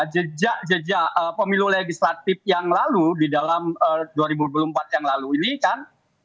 jejak jejak pemilu legislatif yang lalu di dalam dua ribu dua puluh empat yang lalu ini kan